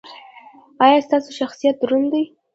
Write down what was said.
ایا ستاسو شخصیت دروند دی؟